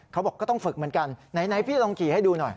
เขาบอกก็ต้องฝึกเหมือนกันไหนพี่ลองขี่ให้ดูหน่อย